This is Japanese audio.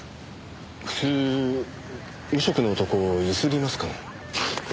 普通無職の男を強請りますかね？